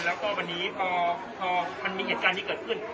แล้วก็วันนี้พอมันมีเหตุการณ์ที่เกิดขึ้น